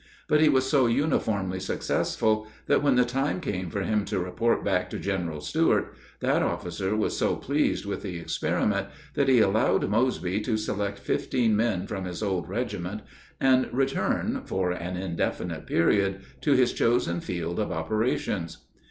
But he was so uniformly successful that when the time came for him to report back to General Stuart, that officer was so pleased with the experiment that he allowed Mosby to select fifteen men from his old regiment and return, for an indefinite period, to his chosen field of operations.